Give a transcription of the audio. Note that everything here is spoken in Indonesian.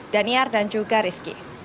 daniar dan juga rizky